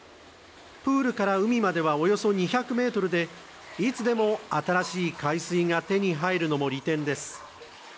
プールから海まではおよそ２００ｍでいつでも新しい海水が手に入るのも利点です。